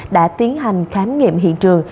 đã tiến hành khám nghiệm hiện trường